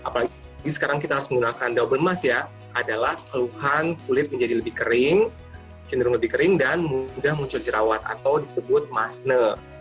apalagi sekarang kita harus menggunakan double mask ya adalah keluhan kulit menjadi lebih kering cenderung lebih kering dan mudah muncul jerawat atau disebut masne